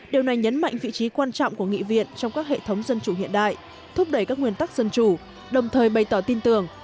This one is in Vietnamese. điều này nhấn mạnh vị trí quan trọng của nghị viện trong các hệ thống dân chủ hiện đại thúc đẩy các nguyên tắc dân chủ đồng thời bày tỏ tin tưởng